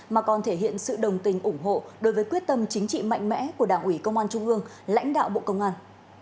mà còn thể hiện sự đồng tình ủng hộ đối với quyết tâm chính trị mạnh mẽ của đảng ủy công an trung ương lãnh đạo bộ công an